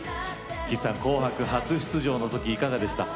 岸さん「紅白」初出場の時いかがでした？